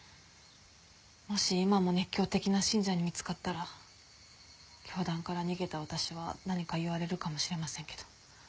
もし今も熱狂的な信者に見つかったら教団から逃げた私は何か言われるかもしれませんけど。